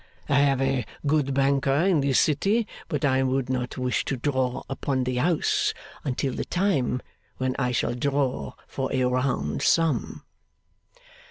I have a good banker in this city, but I would not wish to draw upon the house until the time when I shall draw for a round sum.